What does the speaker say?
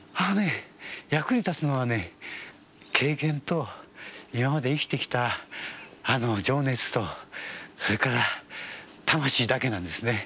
役に立つのはね経験と今まで生きてきた情熱とそれから魂だけなんですね。